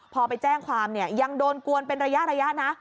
พอไปแจ้งความเนี่ยยังโดนกวนเป็นระยะนะ